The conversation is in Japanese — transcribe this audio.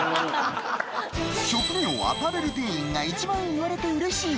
職業アパレル店員が一番言われて嬉しい